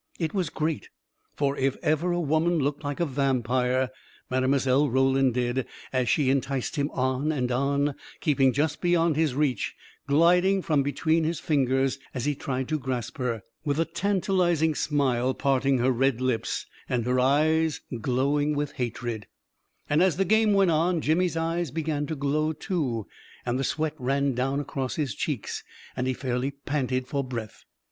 It was great, for if ever a woman looked like a vampire, Mile. Roland did as she enticed him on and on, keep ing just beyond his reach, gliding from between his fingers as he tried to grasp her, with a tantalizing smile parting her red lips, and her eyes glowing with A KING IN BABYLON 335 hatred. And as the game went on, Jimmy's eyes be gan to glow, too, and the sweat ran down across his cheeks, and he fairly panted for breath.